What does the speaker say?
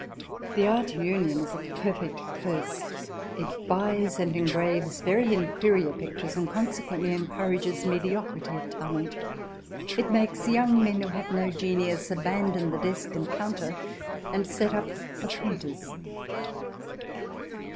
The Art Union is a perfect curse : it buys and engraves very inferior pictures, and consequently encourages mediocrity of talent ; it makes young men, who have no genius, abandon the desk and counter, and set up for painters.